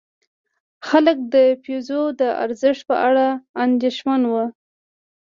خلک د پیزو د ارزښت په اړه اندېښمن وو.